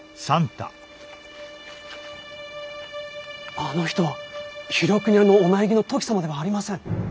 あの人は廣國屋のお内儀のトキ様ではありません。